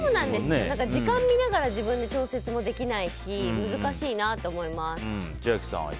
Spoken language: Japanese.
時間見ながら自分で調節もできないし難しいなって思います。